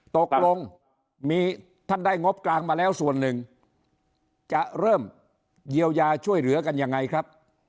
ตกลงมีท่านได้งบกลางมาแล้วส่วนหนึ่งจะเริ่มเยียวยาช่วยเหลือกันยังไงครับ